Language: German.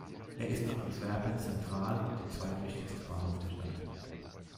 Er ist nach Antwerpen Centraal der zweitwichtigste Bahnhof der Stadt.